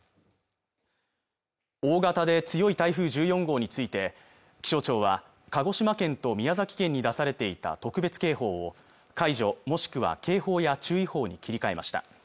大型で強い台風１４号について気象庁は鹿児島県と宮崎県に出されていた特別警報を解除もしくは警報や注意報に切り替えました